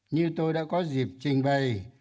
như tôi đã có dịp trình bày